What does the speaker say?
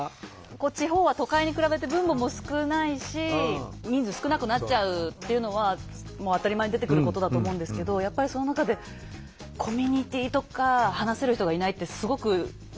地方は都会に比べて分母も少ないし人数少なくなっちゃうっていうのはもう当たり前に出てくることだと思うんですけどやっぱりその中でコミュニティーとか話せる人がいないってすごくね？